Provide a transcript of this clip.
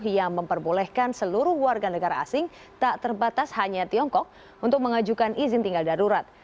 yang memperbolehkan seluruh warga negara asing tak terbatas hanya tiongkok untuk mengajukan izin tinggal darurat